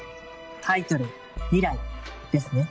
「タイトル“未来”ですね」